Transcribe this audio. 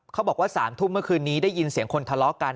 บอกว่า๓ทุ่มเมื่อคืนนี้ได้ยินเสียงคนทะเลาะกัน